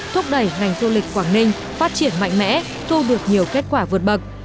thúc đẩy ngành du lịch quảng ninh phát triển mạnh mẽ thu được nhiều kết quả vượt bậc